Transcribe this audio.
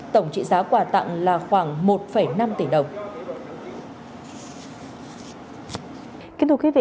tổng trị giá quà tặng là khoảng một năm tỷ đồng